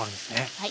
はい。